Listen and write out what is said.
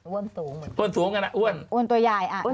อ้วนสูงอ้วนสูงกันอ่ะอ้วนอ้วนตัวยายอ่ะ